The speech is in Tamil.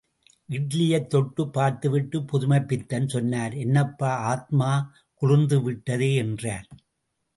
இட்லியைத் தொட்டுப் பார்த்துவிட்டுப் புதுமைப்பித்தன் சொன்னார் என்னப்பா ஆத்மா குளிர்ந்து விட்டதே என்றார்.